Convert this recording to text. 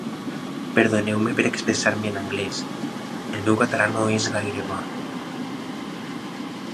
Perdoneu-me per expressar-me en anglès, el meu català no és gaire bo.